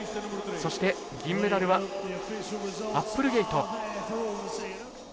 そして、銀メダルはアップルゲイト。